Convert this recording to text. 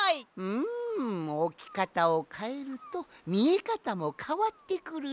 うんおきかたをかえるとみえかたもかわってくるぞい。